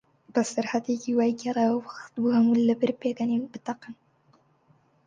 بەسەرهاتێکی وای گێڕایەوە، وەختبوو هەموو لەبەر پێکەنین بتەقن.